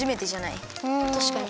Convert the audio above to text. たしかに。